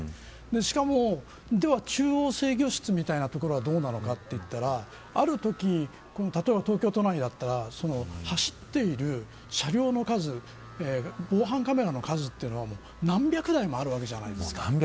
しかも、では中央制御室みたいな所はどうなのかといったらあるとき例えば東京都内だったら走っている車両の数防犯カメラの数というのは何百台もあるわけじゃないですか。